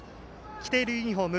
着ているユニフォーム